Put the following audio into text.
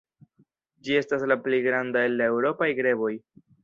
Ĝi estas la plej granda el la eŭropaj greboj.